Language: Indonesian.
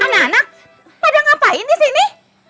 anak anak pada ngapain disini